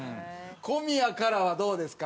小宮からはどうですか？